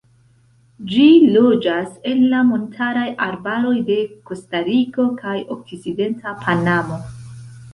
Ĝi loĝas en la montaraj arbaroj de Kostariko kaj okcidenta Panamo.